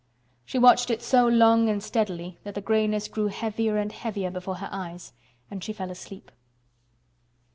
She watched it so long and steadily that the grayness grew heavier and heavier before her eyes and she fell asleep.